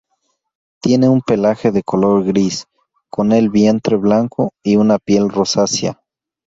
Tiene un pelaje de color gris, con el vientre blanco y una piel rosácea.